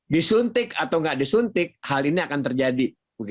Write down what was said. disuntik atau tidak disuntik hal ini akan terjadi